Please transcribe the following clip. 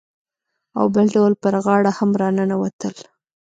او بل ډول پر غاړه هم راننوتل.